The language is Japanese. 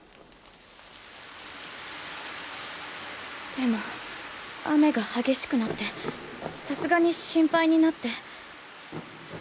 でも雨が激しくなってさすがに心配になって。